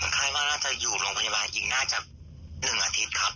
คาดว่าน่าจะอยู่โรงพยาบาลอีกน่าจะ๑อาทิตย์ครับ